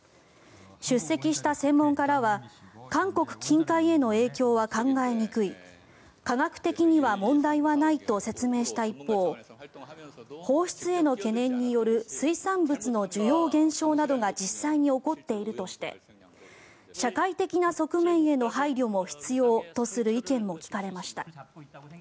出席した専門家らは韓国近海への影響は考えにくい科学的には問題はないと説明した一方放出への懸念による水産物の需要減少などが実際に起こっているとして社会的な側面への配慮も必要とする意見も聞かれました。